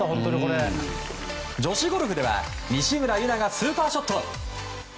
女子ゴルフでは、西村優菜がスーパーショット。